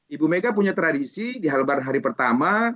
ibu mega punya tradisi di halbar hari pertama